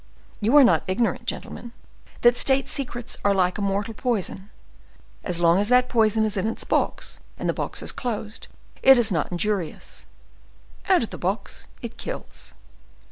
You are not ignorant, gentlemen, that state secrets are like a mortal poison: as long as that poison is in its box and the box is closed, it is not injurious; out of the box, it kills.